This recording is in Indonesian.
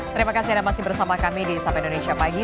terima kasih anda masih bersama kami di sapa indonesia pagi